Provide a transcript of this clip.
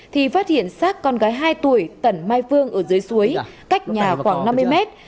thì phát hiện sát con gái hai tuổi tẩn mai phương ở dưới suối cách nhà khoảng năm mươi mét